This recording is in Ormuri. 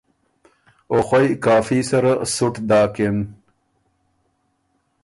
او خوئ کافي سره سُټ داکِن۔